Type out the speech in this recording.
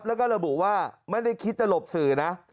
แล้วก็ระบุว่าไม่ได้คิดจะหลบสื่อนะ